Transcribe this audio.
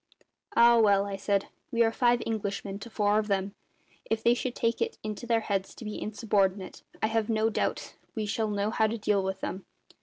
"Ah, well," I said, "we are five Englishmen to four of them. If they should take it into their heads to be insubordinate I have no doubt we shall know how to deal with them.